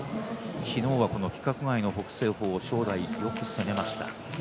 昨日は規格外の北青鵬を正代、よく攻めました。